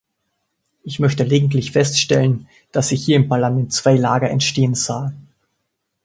Ich möchte lediglich feststellen, dass ich hier im Parlament zwei Lager entstehen sah.